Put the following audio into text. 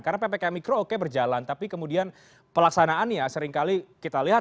karena ppkm mikro oke berjalan tapi kemudian pelaksanaannya seringkali kita lihat